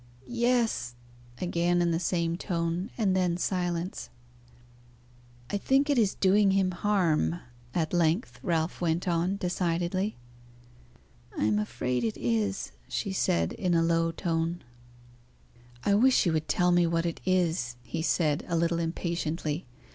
"Yes!" again, in the same tone; and then silence. "I think it is doing him harm," at length Ralph went on, decidedly. "I am afraid it is," she said, in a low tone. "I wish you would tell me what it is," he said, a little impatiently.